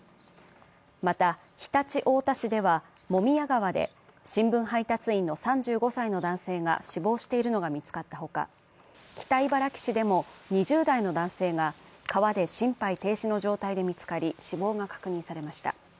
また、常陸太田市では茂宮川で新聞配達員の３５歳の男性が死亡しているのが見つかったほか、北茨城市でも２０代の男性が川で心肺停止の状態で見つかり、死亡が確認されました。